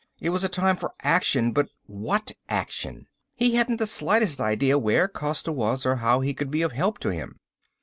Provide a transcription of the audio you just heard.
It was a time for action but what action? He hadn't the slightest idea where Costa was or how he could be of help to him.